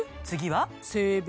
次は？